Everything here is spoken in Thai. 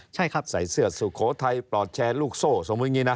ใช่ครับใส่เสื้อสุโขทัยปลอดแชร์ลูกโซ่สมมุติอย่างนี้นะ